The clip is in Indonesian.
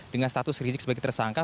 dengan status rizik sebagai tersangka